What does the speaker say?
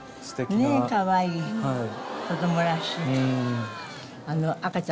ねえかわいい子供らしい顔。